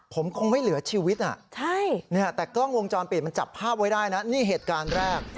ผมคงไม่เหลือชีวิตแต่กล้องวงจรปิดมันจับภาพไว้ได้นะนี่เหตุการณ์แรก